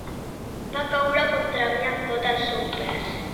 Va caure contra mi amb tot el seu pes.